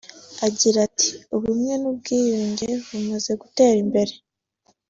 Agira ati ”Ubumwe n’ubwiyunge bumaze gutera imbere